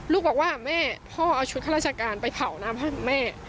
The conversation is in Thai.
ลูกบอกว่าแม่พ่อเอาชุดข้าราชการไปเผาน้ำให้แม่